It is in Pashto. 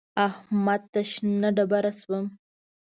احمد ته شنه ډبره شوم.